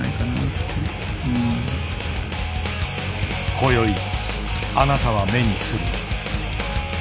今宵あなたは目にする。